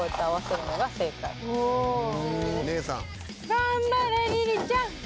頑張れリリちゃん。